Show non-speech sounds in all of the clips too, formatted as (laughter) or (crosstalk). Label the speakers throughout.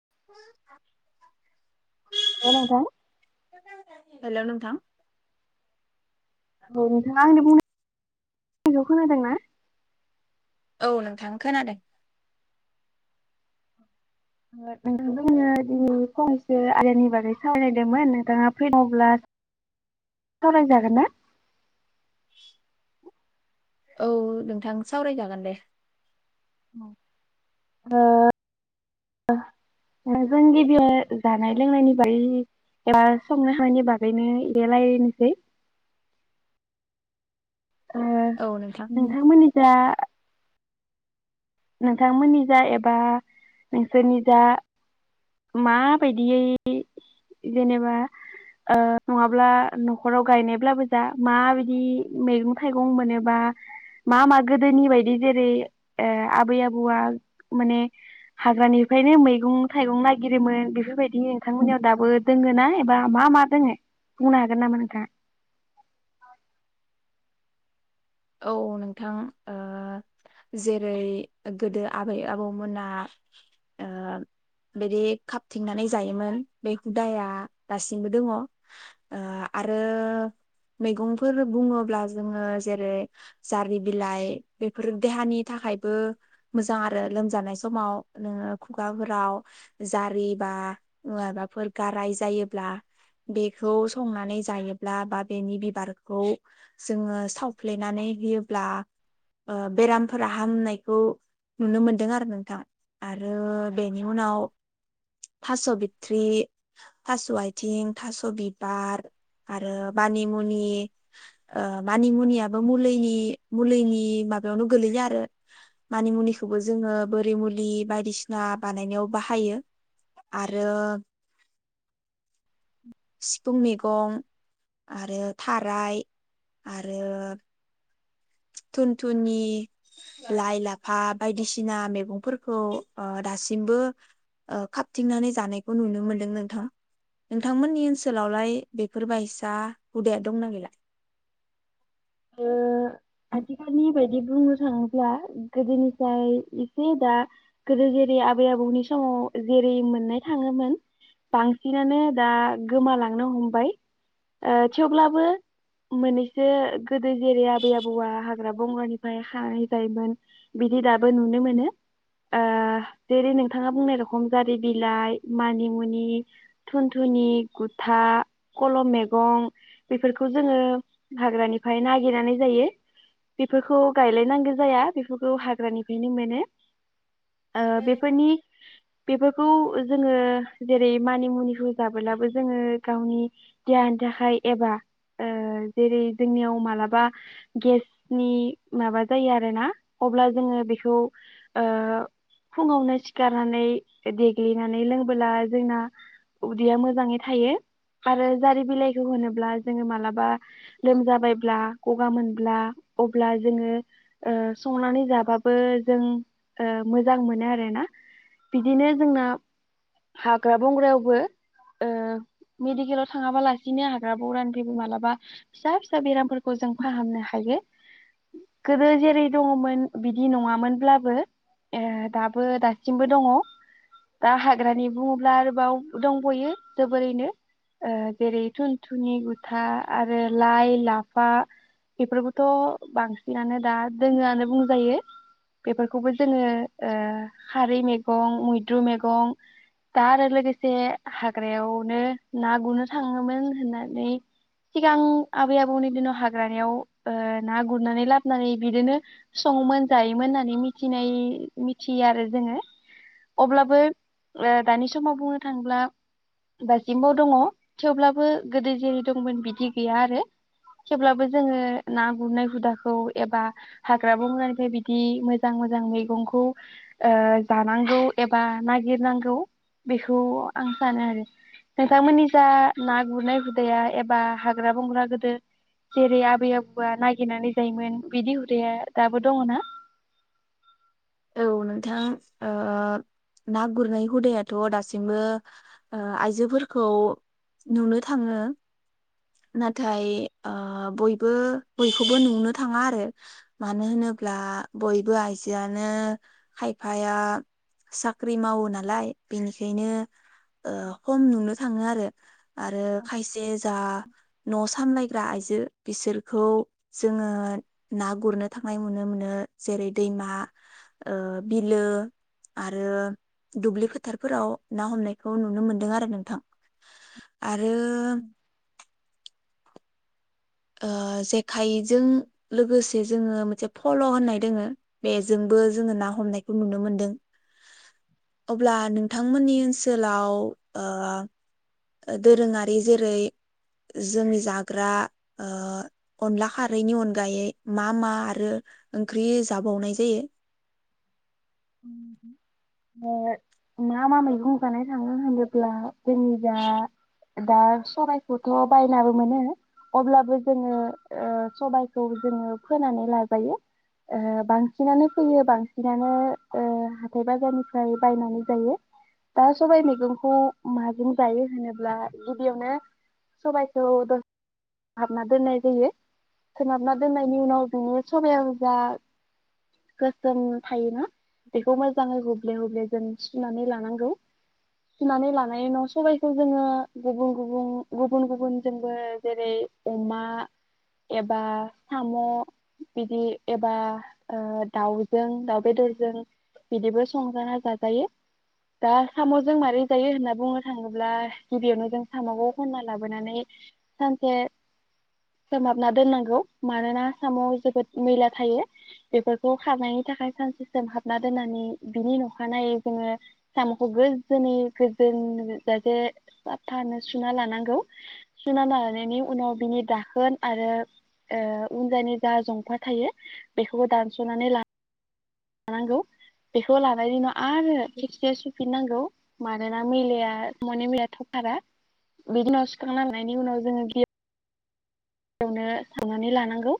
Speaker 1: (unintelligible)
Speaker 2: हेल नोंथां।
Speaker 1: हेलौ नोंथां।
Speaker 2: औ नोंथाङा आंनि बुंनाय खौ खोनादोंना?
Speaker 1: औ नोंथां खोनादों।
Speaker 2: नोंथां आंङो दिनै फंनैसो आदनि बागै सावरायनोमोन नोंथाङा फ्रील्बा सावरायजागोन ना।
Speaker 1: औ नोंथां सावराय जागोन दे।
Speaker 2: ओ जों गिबियाव जानाय लोंनायनि बागै एबा संनाय खावनायनि बागैनो एसे रायलायनोसै। ओ
Speaker 1: औ नोंथां
Speaker 2: नोंथांमोननि जा नोंथांमोननि जा एबा नोंसोरनि जा माबायदियै जेनेबा ओ नङाब्ला नखराव गायनायब्लाबो जा माबायदि मैगं थाइगं मोनोबा मा मा गोदोनि बायदि जेरै ओ आ आबै आबौआ माने हाग्रानिफ्रायनो मैगं थाइगं नायगिरोमोन बेफोर बायदिनो नोंथांमोननियाव दाबो दोङोना एबा मा मा दोङो बुंनो हागोन नामा नोंथाङा?
Speaker 1: औ नोंथां ओ जेरै गोदो आबै आबौमोना ओ बिदि खाबथिंनानै जायोमोन बे हुदाया दासिमबो दङ आरो मैगंफोर बुङोब्ला जोङो जेरै जारि बिलाइ बेफोर देहानि थाखायबो मोजां आरो लोमजानाय समाव नोङो खुगाफोराव जारि बा माबाफोर गाराय जायोब्ला बेखौ संनानै जायोब्ला बा बेनि बिबारखौ जोङो सावफ्ले नानै होयोब्ला ओ बेरामफोरा हामनायखौ नुनो मोनदों आरो नोंथां आरो बेनि उनाव थास बिथरि, थास आइथिं, थास बिबार आरो मानि मुनि ओ मानि मुनिआ बो मुलिनि मुलिनि माबायावनो गोलैयो आरो मानामुनि खौबो जोङो बोरि मुलि बायदिसिना बानायनायाव बाहायो आरो सिफुं मैगं आरो थाराय आरो थुन थुनि लाइ लाफा बायदिसिना मैगंफोरखौ ओ दासिमबो ओ खाबथिंनानै जानायखौ नुनो मोनदों नोंथां नोंथांमोननि ओनसोलावलाय बेफोरबायसा हुदाया दंना गैला?
Speaker 2: ओ आथिखालनिबायदि बुंडों। थाङोब्ला गोदोनिफ्राय एसे दा गोदो जेरै आबै आबौनि समाव जेरै मोननाय थाङोमोन बांसिनानो दा गोमालांनो हमबाय ओ थेवब्लाबो मोननैसो गोदो जेरै आबै आबौ आबौवा हाग्रा बंग्रानिफ्राय हायबायमोन बिदि दाबो नुनो मोनो ओ जेरै नोंथाङा बुंनाय रखम जारि बिलाइ मानिमुनि थुनथुनि गुथा खलम मैगं बेफोरखौ जोङो हाग्रानिफ्राय नागिरनानै जायो। बेफोरखौ गायलायनांगौ जाया बेफोरखौ हाग्रानिफ्रायनो मोनो। ओ बेफोरनि बेफोरखौ जोङो जेरै मानि मुनिखौ जाबोलाबो जोङो गावनि देहानि थाखाय एबा ओ जेरै जोंनियाव मालाबा गेसनि माबा जायो आरोना अब्ला जोङो बेखौ ओ फुङावनो सिखारनानै देग्लिनानै लोंबोला जोंना उदैया मोजाङै थायो आरो जारि बिलाइखौ होनोब्ला जोङो मालाबा लोमजाबायब्ला गगा मोन ब्ला अब्ला जोङो संनानै ओ जाबाबो जों मोजां मोनो आरोना बिदिनो जोंना हाग्रा बंग्रायावबो ओ मेडिकेलाव थाङाबा लासिनो हाग्रा बंग्रानिफ्रायबो मालाबा फिसा फिसा बेरामफोरखौ जों फाहामनो हाय हायो गोदो जेरै दङमोन बिदि नङामोनब्लाबो ओ दाबो दासिमबो दङ दा हाग्रानि बुङोब्ला आरोबाव दंबयो बेफोरखौथ बांसिनानो दा दोङोआनो बुंजायो बेफोरखौबो जोङो ओ खारै मैगं मैद्रु मैगं दा आरो लोगोसे हाग्रायावनो ना गुरनो थाङोमोन होननानै सिगां आबै आबौनि दिनाव हाग्रानिायाव ओ ना गुरनानै लाबोनानै बिदिनो सङोमोन जायोमोन होननानै मिथिनाय मिथियो आरो जोङो अब्लाबो ओ दानि समाव बुंनो थाङोब्ला दासिमबो दङ थेवब्लाबो गोदो जेरै दंमोन बिदि गैया आरो थेवब्लाबो जोङो ना गुरनाय हुदाखौ एबा हाग्रा बंग्रानिफ्राय बिदि मोजां मोजां मैगंखौ ओ जानांगौ एबा नागिरनांगौ बेखौ आं सानो आरो नोंथांमोननि जा ना गुरनाय हुदाया एबा हाग्रा बंग्रा गोदो जेरै आबै आब बा नागिरनानै जायोमोन बिदि हुदाया दाबो दङ ना?
Speaker 1: औ नोंथां ओ ना गुरनाय हुदायाथ दासिमबो आइजोफोरखौ नुनो थाङो नाथाय ओ बयबो बयखौबो नुनो थाङा आरो मानो होनोब्ला बयबो आइजोआ नो खायफाया साख्रि मावो नालाय बेनिखायनो खम नुनो थाङो आरो आरो खायसे जा न सामलायग्रा आइजो बिसोरखौ जोङो ना गुरनो थांनाय नुनो मोनो जेरै दैमा ओ बिलो आरो दुब्लि फोथारफोराव ना हमनायखौ नुनो मोनदों आरो नोंथां आरो ओ जेखाइजों लोगोसे जोङो मोनसे फल होननाय दोङो। बेजोंबो जोङो ना हमनायखौ नुनो मोनदों अब्ला नों बिथांमोननि ओनसोलाव ओ दोरोङारि जेरै जोंनि जाग्रा ओ अनला खारैनि अनगायै मा मा आरो ओंख्रि जाबावनाय जायो?
Speaker 2: (inaudible) मा मा मैगं जानाय थाङो होनोब्ला जोंनि जा दा सबखौथ बायनाबो मोनो अब्लाबो जोङो ओ सबायखौ जोङो फोनानै लाजायो ओ बांसिनानो फोयो बांसिनानो ओ हाथाइ बाजारनिफ्राय बायनानै जायो दा सबाइ मैगंखौ माजों जायो होनोब्ला गिबियावनो सबाइखौ द सोनहाबना दोननाय जायो सोनहाबना दोननायनि उनाव बिनि सबाब जा गोसोम थायोना बेखौ मोजाङै हुब्ले हब्ले जों सुनानै लानांगौ सुनानै लानाय उनाव सबाइखौ जोङो गुबुन गुबुन गुबुन गुबुनजोंबो जेरै अमा एबा साम' बिदि एबा ओ दाउजों दाउ बेदरजों बिदिबो संजाना जाजायो दा साम'जों मारै जायो होनना बुंनो थाङोब्ला गिबियावनो जों साम'खौ खन्ना लाबोनानै सानसे सोमहाबना दोननांगौ मानोना सामआव जोबोद मैला थायो बेफोरखौ खारनायनि थाखाय सानसे सोमहाबना दोननानै बिनि अखानायै जोङो साम'खौ गोजोनै गोजोनजासे साबथानो सुना लानांगौ। सुनिल लाहोनायनि उनाव बिनि दाखोन आरो ओ उनजायनि जा जंफा थायो बेखौबो दानसनानै ला लानांगौ बेखौ लानायनि उनाव आरो थिखसे सुफिननांगौ। मानोना मैलाया माने मैया थबखारा बिनि उनाव सुखांनां लानायनि उनाव जोङो एवनो सावनानै लानांगौ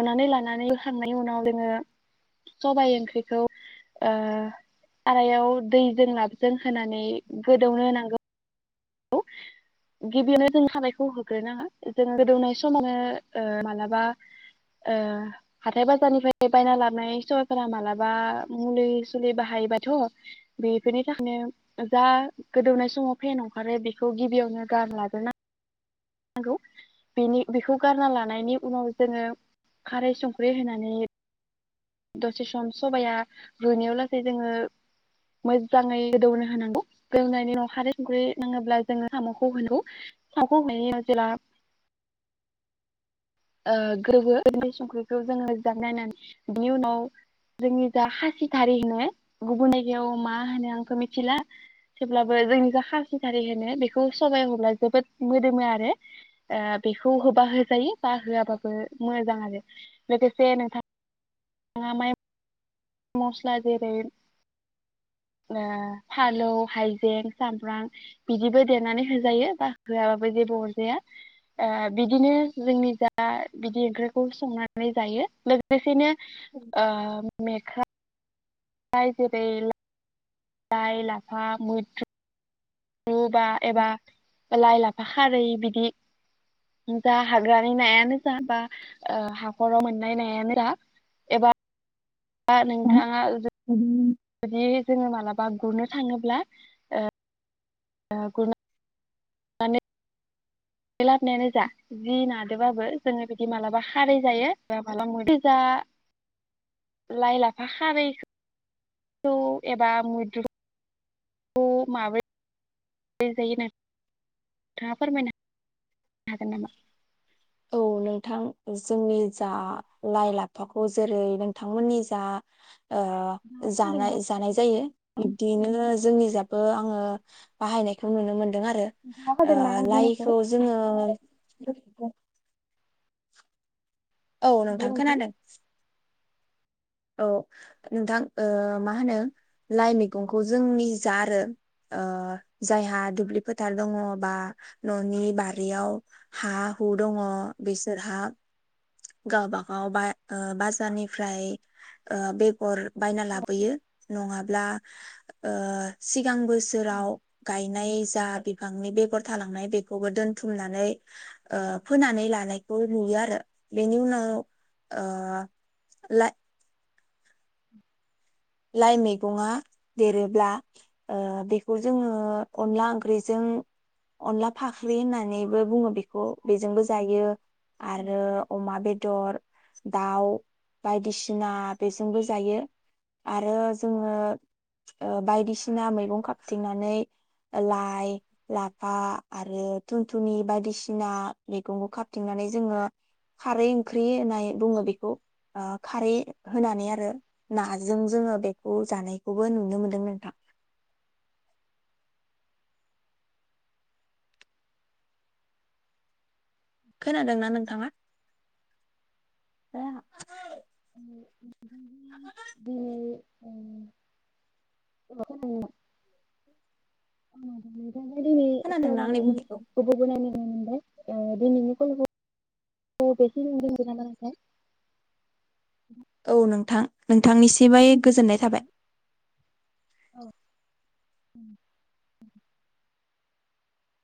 Speaker 2: एवनानै लानानै बोखांनायनि उनाव जोङो सबाय ओंख्रिखौ ओ आरायाव दैजों लाबजों होनानै गोदौनो होनांगौ। गौ गिबियावनो जों हाबानायखौ होग्रो नाङा जों गोदौनाय समावनो ओ मालाबा ओ हाथाय बाजारनिफ्राय बायना लाबनाय सबाइफोरा मालाबा मुलि सुलि बाहायोबाथ बेफोरनि थाखायनो जा गोदौनाय समाव फेनाव आरो बिखौ गिबियावनो गाहाम लाग्रोना नांगौ बेखौ गारना लानायनि उनाव जोङो खारै संख्रि होनानै दसे सम सबाया रुइनायाव लासै जोङो मोजाङै गोदौनो होनांगौ गोदौनायनि उन खारै संख्रि नाङोब्ला जोङो साम'खौ होनांगौ साम'खौ होनायनि उन जेब्ला ओ गोदौवो संख्रिखौ जोङो जानाय नायनानै बिनि उनाव जोंनि जा खासिखारि होनो गुबुन जायगायाव मा होनो आंथ मिथिला थेवब्लाबो जोंनि जा खासिथारि होनो बेखौ सबाइ होब्ला जोबोद मोदोमो आरो बेखौ होबा होजायो। ता होआबाबो मोजां आरो लोगोसे नोंथाङा जोङा माय मस्ला जेरै ओ फालौ हाइजें सामब्राम बिदिबो देरनानै होजायो बा होआबाबो जेबो अरजाया ओ बिदिनो जोंनि जा बिदि ओंख्रिखौ संनानै जायो लोगोसेनो ओ मे जाय जेरै लाइ लाफा मैथ्रु रुबा एबा लाय लाफा खारै बिदि जा हाग्रानि नायानो जा बा ओ हाखराव मोननाय नायानो जा एबा दा नोंथाङा जुदि जोङो मालाबा गुरनो थाङोब्ला ओ ओ गुरना माने लाबनायानो जा जि नादों बाबो जोङो बिदि मालाबा खारै जायो (unintelligible) लाइ लाफा खारै खौ एबा मैद्रु खौ माबाय दि जायो नोंथांआ फोरमायना हागोन नामा?
Speaker 1: औ नोंथां जोंनि जा लाइ लाफाखौ जेरै नोंथांमोननि जा ओ जानाय जानाय जायो बिब्दिनो जोंनि जाबबो आङो बाहायनायखौ नुनो मोनो आरो ओ
Speaker 2: खोनादोंना आं बुंनायखौ
Speaker 1: लाइखौ जोङो द औ नोंथां खोनादों। औ नोंथां ओ मा होनो लाइ मैगंखौ जोंनि जा आरो जायहा दुब्लि फोथार दङ बा ननि बारियाव हा हु दङ बिसोरहा गावबागाव बा ओ बाजारनिफ्राय। ओ बेगर बायना लाबोयो नङाब्ला ओ सि गां बोसोराव गायनाय। जा बिफांनि बेगर थालांनाय बेखौबो दोनथुमनानै ओ फोनानै लानायखौ नुयो आरो बेनि उनाव ओ ला
Speaker 2: उ
Speaker 1: लाइ मैगङा देरोब्ला ओ बेखौ जोङो अनला ओंख्रिजों अनला फाख्रि होननानैबो बुङो बेखौ बेजोंबो जायो। आरो अमा बेदर। दाउ बायदिसिना बेजोंबो जायो। आरो जोङो ओ बायदिसिना मैगं खाबथिंनानै लाइ लाफा आरो थुनथुनि बायदिसिना मैगंखौ खाबथिंनानै जोङो खारै ओंख्रि होननाय बुङो बेखौ ओ खारै होनानै आरो ना जों जोङो बेखौ जानायखौबो नुनो मोनदों नोंथां। खोनादोंना नोंथाङा?
Speaker 2: बि दिनै
Speaker 1: खोनादोंना आंनि (unintelligible)
Speaker 2: (unintelligible) (unintelligible)
Speaker 1: औ नोंथां नोंथांनिसिबाय। गोजोननाय थाबाय।
Speaker 2: औ उम।